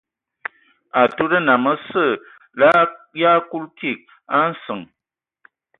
Atud nnəm asə ya kuiki a nsəŋ.